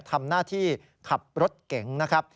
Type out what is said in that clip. ทำหน้าที่ขับรถเก๋งนะครับ